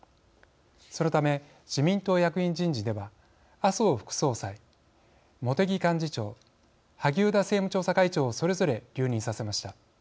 そのため自民党役員人事では麻生副総裁茂木幹事長萩生田政務調査会長をそれぞれ留任させました。